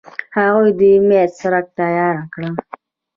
هغوی د امید څرک تیاره کړ.